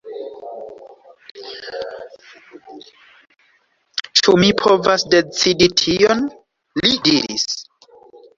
Ĉu mi povas decidi tion?li diris.